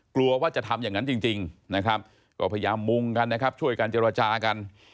กลัวว่าจะทำอย่างนั้นจริงนะครับก็พยายามมุงกันนะครับช่วยกันเจรจากัน